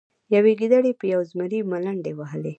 یوې ګیدړې په یو زمري ملنډې وهلې.